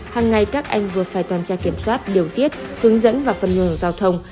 hằng ngày các anh vừa phải toàn tra kiểm soát điều tiết hướng dẫn và phân ngừa giao thông